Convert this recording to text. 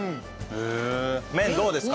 麺どうですか？